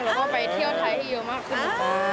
เราก็ไปเที่ยวไทยอยู่มากกว่า